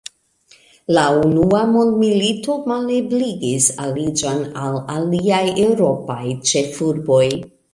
La unua mondmilito malebligis aliĝon al aliaj eŭropaj ĉefurboj.